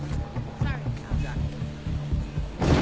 はい。